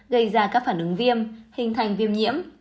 gây ra các phản ứng viêm hình thành viêm nhiễm